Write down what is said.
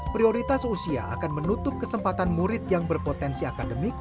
prioritas usia akan menutup kesempatan murid yang berpotensi akademik